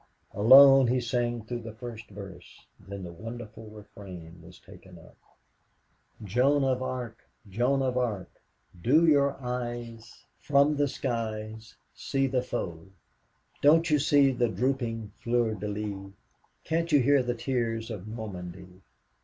Alone he sang through the first verse, then the wonderful refrain was taken up, "Joan of Arc, Joan of Arc, Do your eyes From the skies See the foe? Don't you see the drooping fleur de lis? Can't you hear the tears of Normandy?